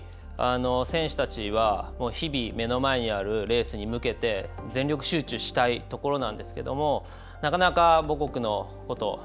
選手たちは日々、目の前にあるレースに向けて全力集中したいところなんですけれどもなかなか母国のこと